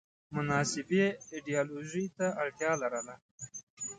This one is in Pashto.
مناسبې ایدیالوژۍ ته اړتیا لرله